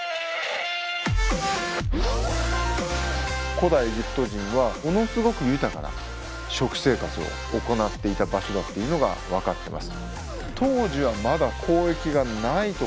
古代エジプト人はものすごく豊かな食生活を行っていた場所だっていうのが分かってます。